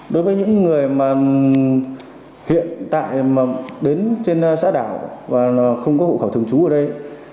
đối với những người hiện tại đến trên xã đảo và không có hộ khẩu thường trú ở đây